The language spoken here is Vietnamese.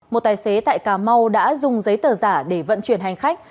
một tài xế tại cà mau đã dùng giấy tờ giả để vận chuyển hành khách